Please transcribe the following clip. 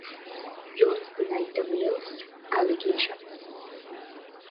Jones denied the "Mail"'s allegations.